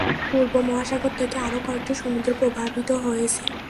পূর্ব মহাসাগর থেকে আরো কয়েকটি সমুদ্র প্রবাহিত হয়েছে।